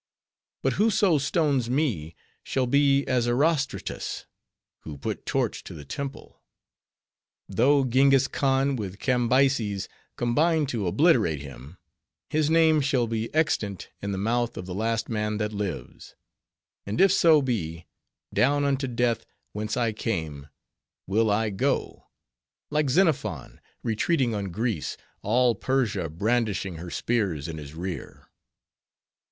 But whoso stones me, shall be as Erostratus, who put torch to the temple; though Genghis Khan with Cambyses combine to obliterate him, his name shall be extant in the mouth of the last man that lives. And if so be, down unto death, whence I came, will I go, like Xenophon retreating on Greece, all Persia brandishing her spears in his rear.